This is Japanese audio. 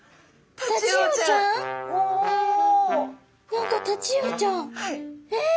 何かタチウオちゃんえっ？